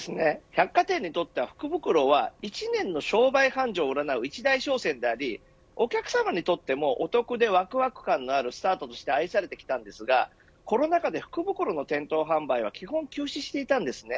百貨店にとって福袋は１年の商売繁盛を占う一大商戦でありお客様にとってもお得でわくわく感のあるスタートとして愛されてきたんですがコロナ禍では福袋の店頭販売が基本休止していました。